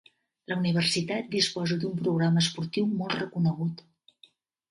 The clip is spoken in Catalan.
La universitat disposa d'un programa esportiu molt reconegut.